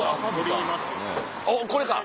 おっこれか！